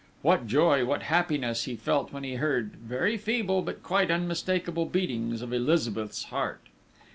What joy, what happiness, he felt when he heard, very feeble but quite unmistakable beatings of Elizabeth's heart!